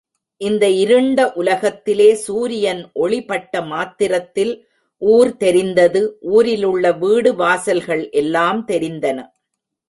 இந்த இருண்ட உலகத்திலே சூரியன் ஒளி பட்ட மாத்திரத்தில் ஊர் தெரிந்தது, ஊரிலுள்ள வீடு வாசல்கள் எல்லாம் தெரிந்தன.